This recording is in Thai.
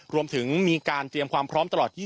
รวมถึงมีการเตรียมความพร้อมตลอด